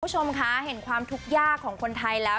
คุณผู้ชมคะเห็นความทุกข์ยากของคนไทยแล้ว